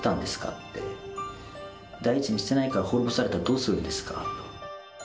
って、第一にしてないから、滅ぼされたらどうするんですかと。